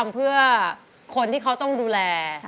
พี่ออโต๊ะ